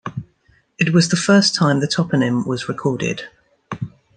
It was the first time the toponym was recorded.